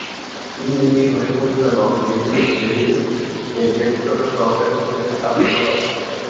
তিনি নির্বাহী পরিচালক ডেভিড ডেভিস এর ব্যক্তিগত সহকারী হিসেবে কাজ শুরু করেন।